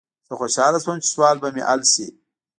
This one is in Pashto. زه خوشحاله شوم چې سوال به مې حل شي.